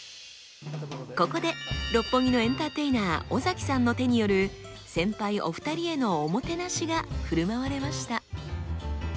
ここで六本木のエンターテイナー尾崎さんの手による先輩お二人への「おもてなし」が振る舞われました。